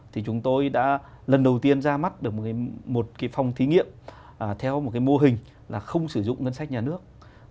thì chúng tôi đã lần đầu tiên ra mắt được một cái phòng thí nghiệm theo một cái mô hình là không sử dụng ngân sách nhà nước